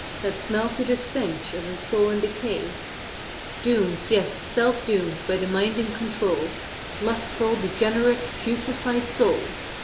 That smell to the stench of a soul in decay! Doomed, yes, self doomed by the mind in control 1 Lustful, degenerate, putrefied soul!